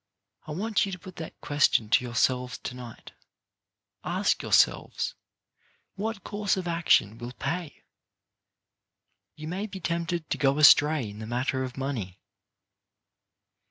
I want you to put that question to yourselves to night: ask yourselves what course of action will pay. You may be tempted to go astray in the matter of money.